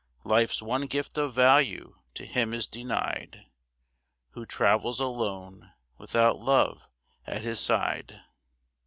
Life's one gift of value to him is denied Who travels alone without love at his side.